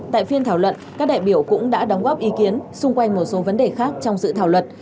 tại phiên thảo luận các đại biểu cũng đã đóng góp ý kiến xung quanh một số vấn đề khác trong dự thảo luật